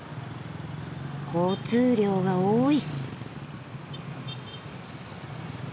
交通量が多い。